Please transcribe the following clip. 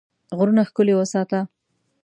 غرونه ښکلي وساته.